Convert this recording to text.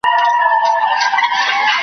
ځان به ولي د ښکاری و تور ته ورکړي .